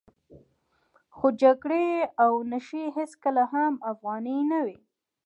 خو جګړې او نشې هېڅکله هم افغاني نه وې.